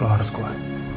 lo harus kuat